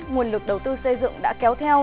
nguồn lực đầu tư xây dựng đã kéo theo